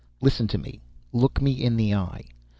Listen to me. Look me in the eye.